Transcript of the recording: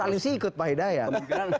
harus alis ikut pak hidayat